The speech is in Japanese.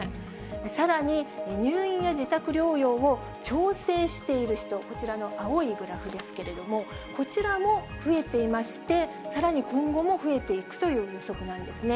さらに入院や自宅療養を調整している人、こちらの青いグラフですけれども、こちらも増えていまして、さらに今後も増えていくという予測なんですね。